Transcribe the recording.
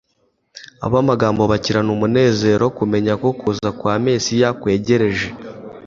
Abamago bakirana umunezero kumenya ko kuza kwa Mesiya kwegereje,